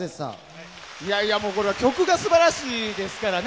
これは曲が素晴らしいですからね。